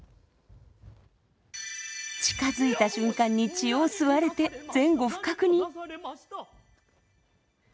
近づいた瞬間に血を吸われて前後不覚に。